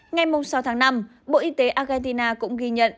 ngày sáu tháng năm bộ y tế argentina cũng ghi nhận